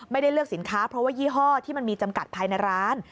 ไม่ได้เลือกสินค้าเพราะว่ายี่ห้อที่มันมีจำกัดภายในร้าน